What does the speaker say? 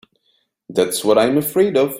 That's what I'm afraid of.